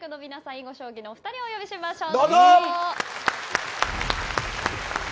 囲碁将棋のお二人をお呼びしましょう。